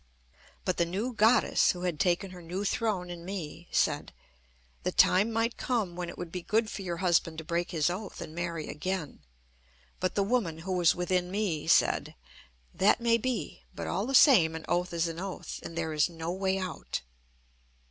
But the new Goddess, who had taken her new throne in me, said: "The time might come when it would be good for your husband to break his oath and marry again." But the woman, who was within me, said: "That may be; but all the same an oath is an oath, and there is no way out."